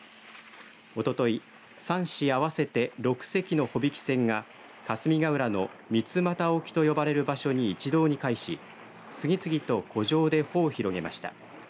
おととい３市合わせて６隻の帆引き船が霞ヶ浦の三又沖と呼ばれる場所に一堂に会し次々と湖上で帆を広げました。